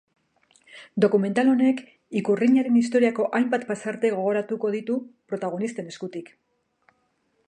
Dokumental honek ikurrinaren historiako hainbat pasarte gogoratuko ditu, protagonisten eskutik.